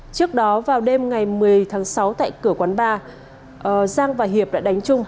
trước đó vào đêm ngày một mươi tháng sáu tại cửa quán ba giang và hiệp đã đánh chung